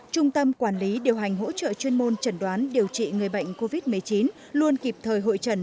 trung tâm quản lý điều hành hỗ trợ chuyên môn trần đoán điều trị người bệnh covid một mươi chín luôn kịp thời hội trần